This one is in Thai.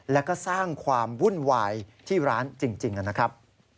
แล้วก็สร้างความวุ่นวายที่ร้านจริงนะครับ